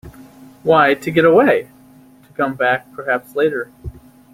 Why, to get away — to come back perhaps later.